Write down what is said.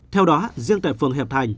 theo đó riêng tại phường hiệp thành